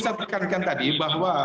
saya katakan tadi bahwa